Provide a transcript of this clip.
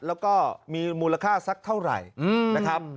แล้วก็มีมูลค่าสักเท่าไหร่นะครับ